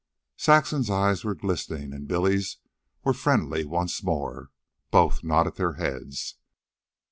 Saxon's eyes were glistening, and Billy's were friendly once more. Both nodded their heads.